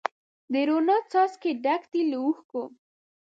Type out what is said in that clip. د روڼا څاڅکي ډک دي له اوښکو